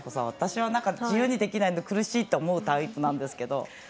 私は自由にできないと苦しいと思うタイプなんですけど。